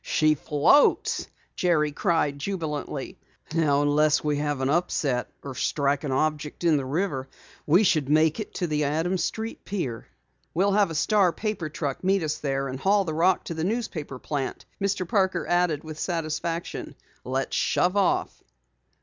"She floats!" Jerry cried jubilantly. "Now unless we have an upset or strike an object in the river, we should make it to the Adams Street pier." "We'll have a Star paper truck meet us there, and haul the rock to the newspaper plant," Mr. Parker added with satisfaction. "Let's shove off!"